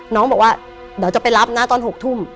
น้องบอกว่าเดี๋ยวจะไปรับนะตอน๖ทุ่ม